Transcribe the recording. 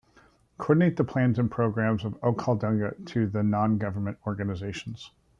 Coordinate the plans and programs of Okhaldhunga to the Non-government organizations.